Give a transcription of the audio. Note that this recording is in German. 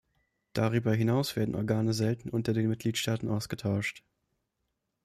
Darüber hinaus werden Organe selten unter den Mitgliedstaaten ausgetauscht.